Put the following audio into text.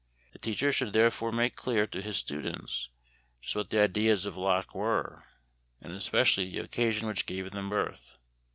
The teacher should therefore make clear to his students just what the ideas of Locke were and especially the occasion which gave them birth.